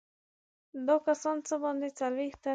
دا کسان څه باندې څلوېښت تنه دي.